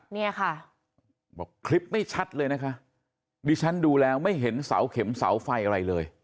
เนี่ยค่ะบอกคลิปไม่ชัดเลยนะคะดิฉันดูแล้วไม่เห็นเสาเข็มเสาไฟอะไรเลย